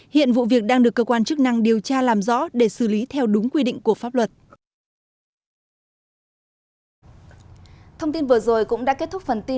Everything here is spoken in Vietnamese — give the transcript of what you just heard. hiện vụ việc đang được cơ quan chức năng điều tra làm rõ để xử lý theo đúng quy định của pháp luật